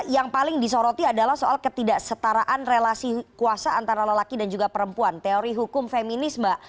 yang paling disoroti adalah soal ketidaksetaraan relasi kuasa antara lelaki dan juga perempuan teori hukum feminis mbak